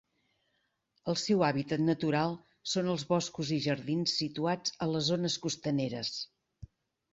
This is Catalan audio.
El seu hàbitat natural són els boscos i jardins situats a les zones costaneres.